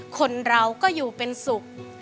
คนเราก็อยู่เป็นสุข